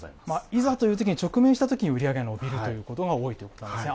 いざというときに、直面したときに売り上げが伸びることが多いということですね。